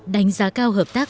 đánh giá cao hợp tác